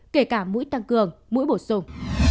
kể cả mũi tăng cường mũi bổ sung